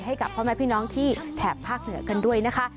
ให้กับพ่อแม่พี่น้องที่แถบภาคเหนือกันด้วยนะคะ